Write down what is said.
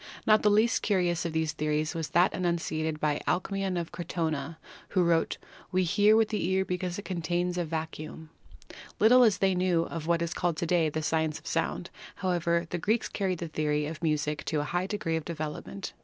Not the least curious of these theories was that enunciated by Alcmaeon of Crotona, who wrote: "We hear with the ear because it contains a vacuum" ! Lit tle as they knew of what is called to day the science of sound, however, the Greeks carried the theory of music to a high degree of development.